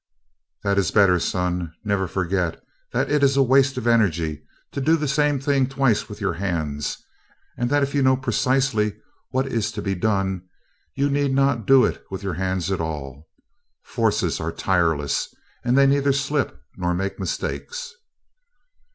"That is better, son. Never forget that it is a waste of energy to do the same thing twice with your hands and that if you know precisely what is to be done, you need not do it with your hands at all. Forces are tireless, and they neither slip nor make mistakes."